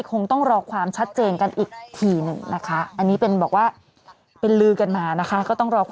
คงต้องรอความชัดเจนกันอีกทีนึง